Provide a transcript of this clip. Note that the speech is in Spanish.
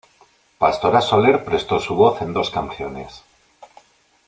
Pastora Soler prestó su voz en dos canciones.